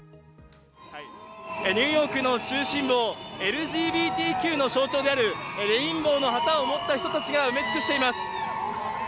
ニューヨークの中心部をＬＧＢＴＱの象徴であるレインボーの旗を持った人たちが埋め尽くしています。